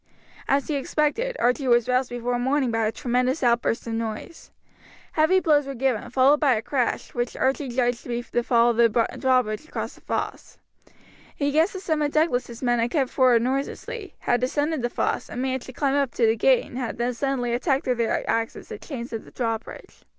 As he expected, Archie was roused before morning by a tremendous outburst of noise. Heavy blows were given, followed by a crash, which Archie judged to be the fall of the drawbridge across the fosse. He guessed that some of Douglas's men had crept forward noiselessly, had descended the fosse, and managed to climb up to the gate, and had then suddenly attacked with their axes the chains of the drawbridge.